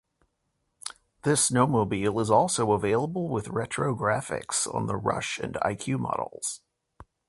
This snowmobile is also available with retro graphics on the Rush and Iq models.